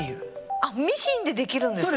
あミシンで出来るんですか？